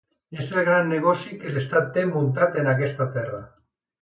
És el gran negoci que l’estat té muntat en aquesta terra.